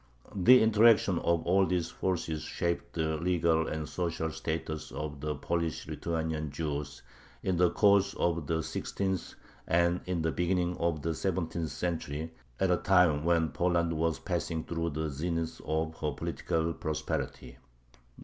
The interaction of all these forces shaped the legal and social status of the Polish Lithuanian Jews in the course of the sixteenth and in the beginning of the seventeenth century, at a time when Poland was passing through the zenith of her political prosperity.